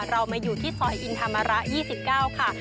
เรามาอยู่ที่ซอยอินธรรมระ๒๙ค่ะ